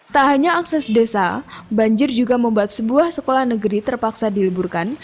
tak hanya akses desa banjir juga membuat sebuah sekolah negeri terpaksa diliburkan